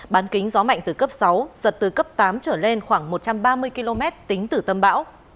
bán kính gió mạnh từ cấp sáu giật từ cấp tám trở lên khoảng một trăm ba mươi km tính từ tâm bão